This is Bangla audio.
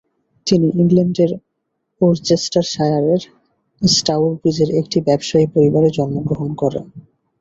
তিনি ইংল্যান্ডের ওরচেস্টারশায়ারের স্টাউরব্রীজের একটি ব্যবসায়ী পরিবারে জন্মগ্রহণ করেন।